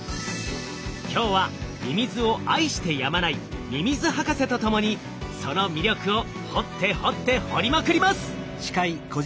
今日はミミズを愛してやまないミミズ博士と共にその魅力を掘って掘って掘りまくります！